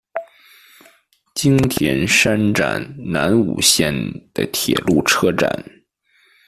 津田山站南武线的铁路车站。